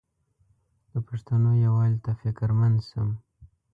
د پښتنو یووالي ته فکرمند شم.